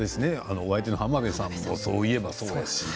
お相手の浜辺さんもそう言えばそうですし。